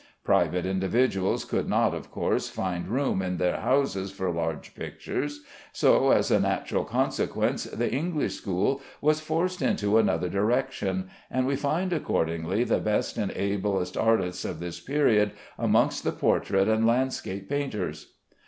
Private individuals could not, of course, find room in their houses for large pictures; so, as a natural consequence, the English school was forced into another direction, and we find accordingly the best and ablest artists of this period amongst the portrait and landscape painters.